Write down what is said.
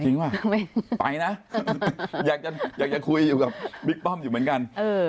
ป่ะไปนะอยากจะอยากจะคุยอยู่กับบิ๊กป้อมอยู่เหมือนกัน